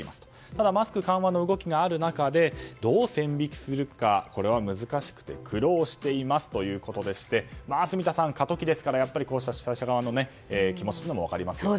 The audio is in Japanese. ただマスク緩和の動きがある中でどう線引きするかこれは難しくて苦労していますということでして住田さん、過渡期ですからこうした主催者側の気持ちも分かりますよね。